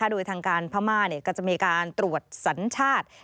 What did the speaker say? โดยทางการพม่าก็จะมีการตรวจสัญชาติ